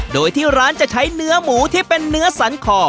โดยที่ร้านจะใช้เนื้อหมูที่เป็นเนื้อสันคอ